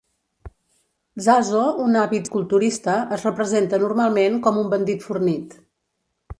Zaso, un àvid culturista, es representa normalment com un bandit fornit.